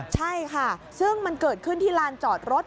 ใช่ค่ะซึ่งมันเกิดขึ้นที่ลานจอดรถ